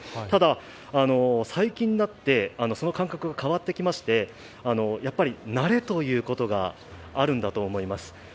ただ、最近になってその感覚が変わってきましてやっぱり慣れということがあるんだと思います。